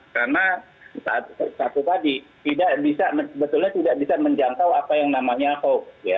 karena satu tadi tidak bisa menjantau apa yang namanya ho